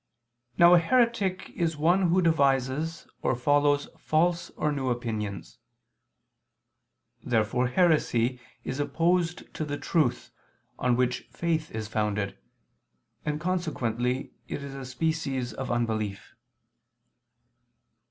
Now a heretic is one who devises or follows false or new opinions. Therefore heresy is opposed to the truth, on which faith is founded; and consequently it is a species of unbelief.